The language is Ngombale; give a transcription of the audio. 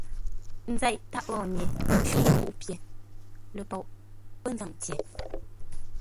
Nzéʼ tâʼ góŋə́-nye, ə shúʼú lepuʼú pyêr ləpoʼ pə́ nzə́m tyer.